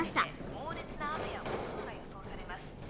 猛烈な雨や暴風が予想されます